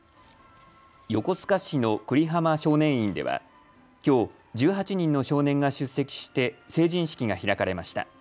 横須賀市の久里浜少年院ではきょう１８人の少年が出席して成人式が開かれました。